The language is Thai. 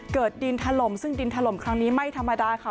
เกิดดินถล่มซึ่งดินถล่มครั้งนี้ไม่ธรรมดาค่ะ